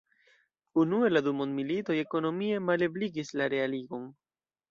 Unue la du mondmilitoj ekonomie malebligis la realigon.